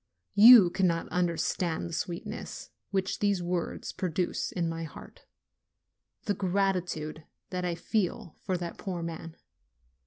you cannot understand the sweetness which these words produce in my heart, the gratitude that I feel for that poor man.